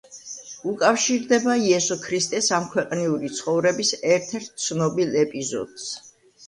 უკავშირდება იესო ქრისტეს ამქვეყნიური ცხოვრების ერთ-ერთ ცნობილ ეპიზოდს.